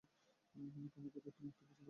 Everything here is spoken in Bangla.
কানাডাতে একটি মুক্ত বাজার অর্থনীতি বিদ্যমান।